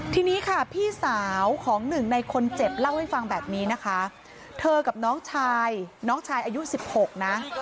ทีนี้ค่ะพี่สาวของหนึ่งในคนเจ็บเล่าให้ฟังแบบนี้นะคะเธอกับน้องชายน้องชายอายุสิบหกนะ